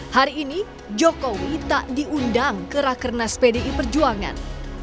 hari ini jokowi tak diundang ke rakernas pdi perjuangan